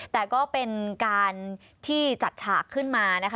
แต่ก็เป็นการที่จัดฉากขึ้นมานะคะ